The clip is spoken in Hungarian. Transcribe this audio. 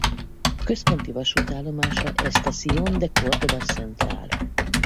Központi vasútállomása Estación de Córdoba Central.